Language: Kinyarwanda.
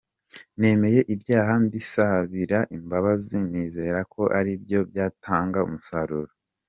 Nemeye ibyaha mbisabira imbabazi nizera ko ari byo byatanga umusaruro!…”